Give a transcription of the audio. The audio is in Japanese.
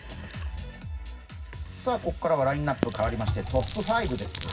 ここからはラインナップが変わりましてトップ５です。